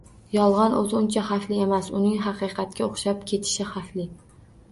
Yolg’on o’zi uncha xavfli emas, uning haqiqatga o’xshab ketishi xavfli.